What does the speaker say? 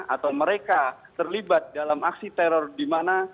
atau mereka terlibat dalam aksi teror dimana